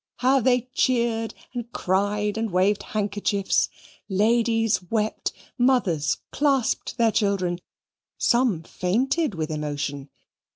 How they cheered, and cried, and waved handkerchiefs. Ladies wept; mothers clasped their children; some fainted with emotion.